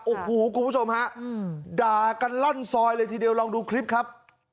โอ้โหคุณผู้ชมฮะด่ากันลั่นซอยเลยทีเดียวลองดูคลิปครับ